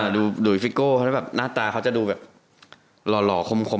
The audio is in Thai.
ดูดุยฟิโก้หน้าตาเขาจะดูแบบหล่อหล่อคม